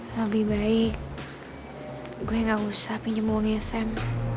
lebih baik gue gak usah pinjem uangnya sam